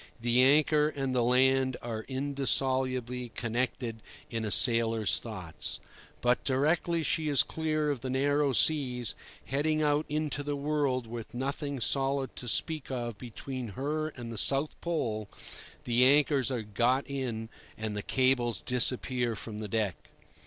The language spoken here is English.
The anchor and the land are indissolubly connected in a sailor's thoughts. But directly she is clear of the narrow seas, heading out into the world with nothing solid to speak of between her and the South Pole, the anchors are got in and the cables disappear from the deck.